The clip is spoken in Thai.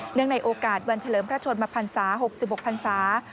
เนื่องในโอกาสวันเฉลิมพระชนมภรรษา๖๖ภรรษา